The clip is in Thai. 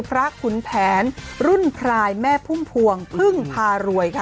ขุนแผนรุ่นพรายแม่พุ่มพวงพึ่งพารวยค่ะ